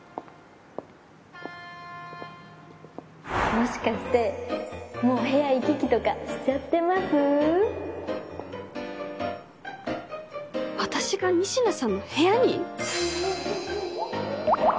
もしかしてもう部屋行き来とか私が仁科さんの部屋に？